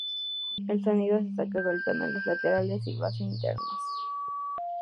El sonido se saca golpeando en los laterales y base internos.